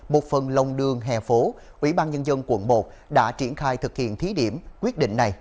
một phần lòng đường hè phố ủy ban nhân dân quận một đã triển khai thực hiện thí điểm quyết định này